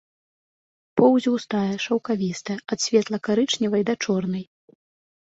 Поўсць густая, шаўкавістая, ад светла-карычневай да чорнай.